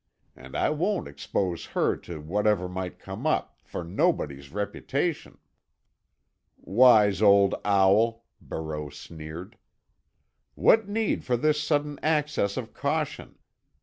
An' I won't expose her to whatever might come up, for nobody's reputation." "Wise old owl!" Barreau sneered. "What need for this sudden access of caution?